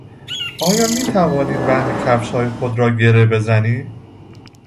آیا میتوانی بند کفشهای خود را گره بزنی؟